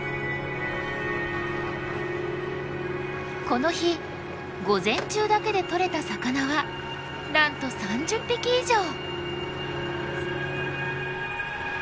この日午前中だけでとれた魚はなんと３０匹以上！